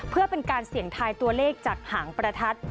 เพื่อเป็นการเสี่ยงทายตัวเลขจากหางประทัด